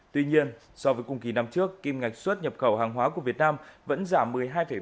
tuy nhiên so với cùng kỳ năm trước kim ngạch xuất nhập khẩu hàng hóa của việt nam vẫn giảm một mươi hai ba mươi